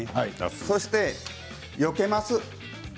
そして、よけます。